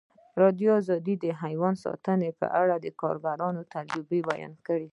ازادي راډیو د حیوان ساتنه په اړه د کارګرانو تجربې بیان کړي.